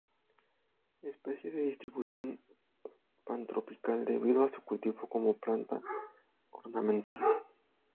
Especie de distribución pantropical debido a su cultivo como planta ornamental.